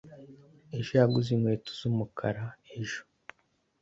Ejo yaguze inkweto z'umukara ejo.